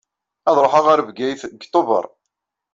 Ad ṛuḥeṛɣ ɣer Bgayet deg Tubeṛ.